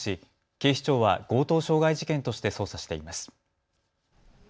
警視庁は強盗傷害事件として捜査しています。